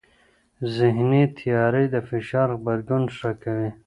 ذهني تیاری د فشار غبرګون ښه کوي.